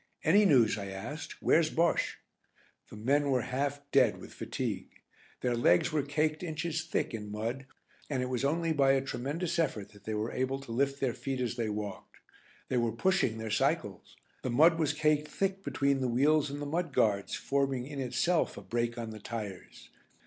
"Any news?" I asked. "Where's Bosche?" The men were half dead with fatigue. Their legs were caked inches thick in mud, and it was only by a tremendous effort that they were able to lift their feet as they walked. They were pushing their cycles; the mud was caked thick between the wheels and the mudguards forming in itself a brake on the tyres.